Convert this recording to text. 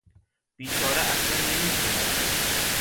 بیچاره اصلا نمیشنود!